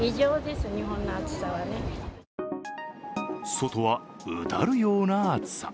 外はうだるような暑さ。